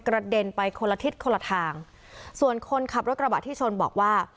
เด็นไปคนละทิศคนละทางส่วนคนขับรถกระบะที่ชนบอกว่า